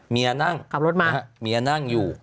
เมียนั่งขับรถมานะฮะเมียนั่งอยู่